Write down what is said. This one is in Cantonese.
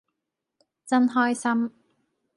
真開心